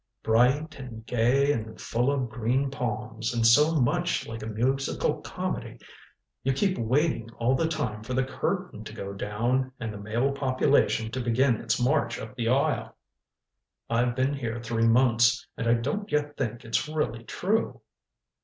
Bright and gay and full of green palms, and so much like a musical comedy you keep waiting all the time for the curtain to go down and the male population to begin its march up the aisle. I've been here three months, and I don't yet think it's really true."